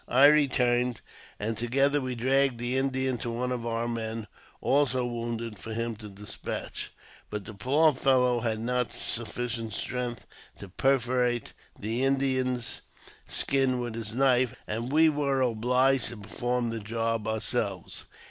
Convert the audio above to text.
I returned, and, together, we dragged the Indian to •one of our men, also wounded, for him to despatch. But the poor fellow had not strength sufficient to perforate the Indian's 108 AUTOBIOGBAPHY OF skin with his knife, and we were obliged to perform the job ourselves.